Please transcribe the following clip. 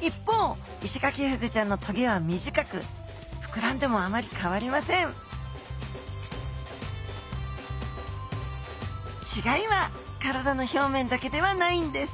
一方イシガキフグちゃんの棘は短く膨らんでもあまり変わりません違いは体の表面だけではないんです。